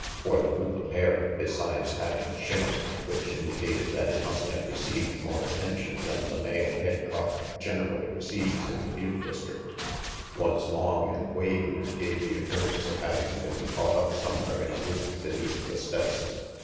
For the loop of hair, besides having a shimmer which indicated that it must have received more attention than the male head crop generally receives in the butte district, was long and wavy and gave the appearance of having been caught up somewhere in a loop beneath the Stetson.